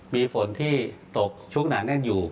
มีฝนที่ตกชุกหนาแน่นอยู่